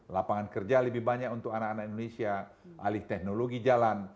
lapangan kerja lebih banyak untuk anak anak indonesia alih teknologi jalan